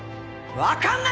わかんない！